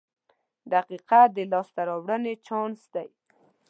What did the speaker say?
• دقیقه د لاسته راوړنې چانس دی.